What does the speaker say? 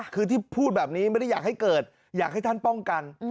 คือที่พูดแบบนี้ไม่ได้อยากให้เกิดอยากให้ท่านป้องกัน